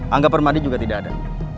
angga permadi juga tidak ada